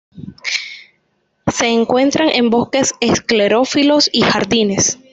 Se encuentran en bosques esclerófilos y jardines.